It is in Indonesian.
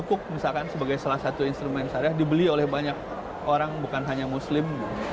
puk misalkan sebagai salah satu instrumen syariah dibeli oleh banyak orang bukan hanya muslim